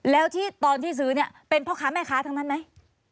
แล้วที่ตอนที่ซื้อเนี่ยเป็นพ่อค้าแม่ค้าทั้งนั้นไหม